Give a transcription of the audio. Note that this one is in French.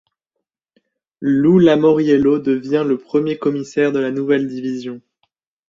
Lou Lamoriello devient le premier commissaire de la nouvelle division.